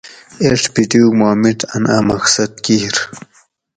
ایڄ پِیٹوگ ما مِیڄ ان ا مقصد کیر